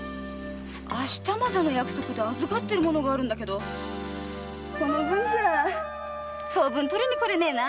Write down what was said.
明日までの約束で預かってる物があるんだけどこのぶんじゃ当分取りにこれねえな。